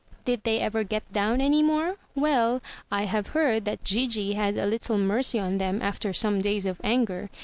Did they ever get down any more? Well, I have heard that Gigi had a little mercy on them after some days of anger.